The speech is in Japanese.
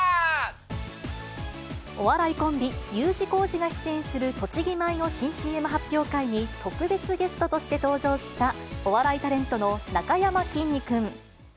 お笑いコンビ、Ｕ字工事が出演する栃木米の新ＣＭ発表会に、特別ゲストとして登場したお笑いタレントのなかやまきんに君。